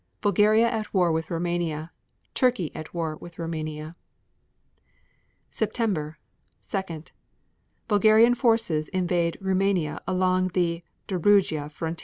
Bulgaria at war with Roumania. Turkey at war with Roumania. September 2. Bulgarian forces invade Roumania along the Dobrudja frontier.